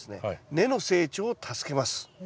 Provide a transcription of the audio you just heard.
根の成長を助けます。